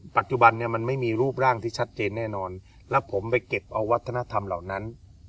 ปัจจุบันเนี่ยมันไม่มีรูปร่างที่ชัดเจนแน่นอนแล้วผมไปเก็บเอาวัฒนธรรมเหล่านั้น